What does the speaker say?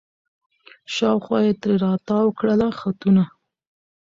شاوخوا یې ترې را تاوکړله خطونه